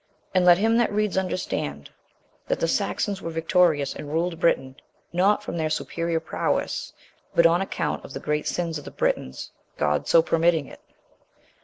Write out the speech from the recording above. And let him that reads understand, that the Saxons were victorious, and ruled Britain, not from their superior prowess, but on account of the great sins of the Britons: God so permitting it.